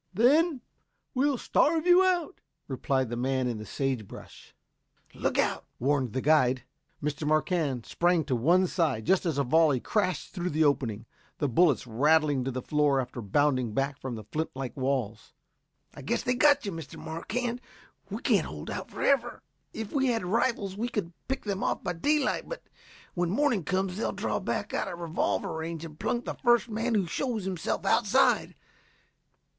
"Then we'll starve you out," replied the man in the sage brush. "Look out!" warned the guide. Mr. Marquand sprang to one side just as a volley crashed through the opening, the bullets rattling to the floor after bounding back from the flint like walls. "I guess they've got you, Mr. Marquand. We can't hold out forever. If we had rifles we could pick them off by daylight. But when morning comes they'll draw back out of revolver range and plunk the first man who shows himself outside.